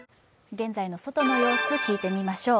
現在の外の様子聞いてみましょう。